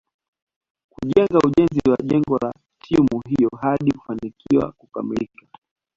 kujenga ujenzi wa jengo la timu hiyo hadi kufanikiwa kukamilika